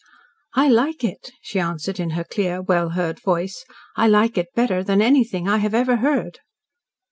"I like it," she answered, in her clear, well heard voice. "I like it better than anything I have ever heard."